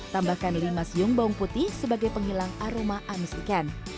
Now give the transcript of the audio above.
tambahkan lima siung bawang putih sebagai penghilang aroma amis ikan